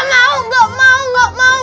gak mau gak mau gak mau